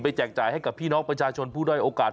แจกจ่ายให้กับพี่น้องประชาชนผู้ด้อยโอกาส